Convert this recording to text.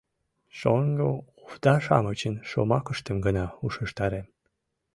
Шоҥго овда-шамычын шомакыштым гына ушештарем...